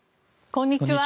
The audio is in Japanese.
こんにちは。